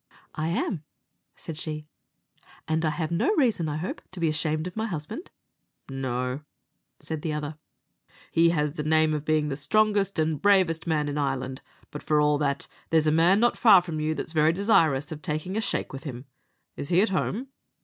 "I am," said she; "and I have no reason, I hope, to be ashamed of my husband." "No," said the other, "he has the name of being the strongest and bravest man in Ireland; but for all that, there's a man not far from you that's very desirous of taking a shake with him. Is he at home?"